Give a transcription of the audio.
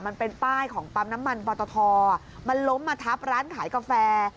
มันเป็นป้ายของปั๊มน้ำมันปอตทมันล้มมาทับร้านขายกาแฟ